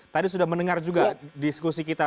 tadi sudah mendengar juga diskusi kita